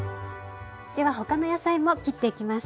では他の野菜も切っていきます。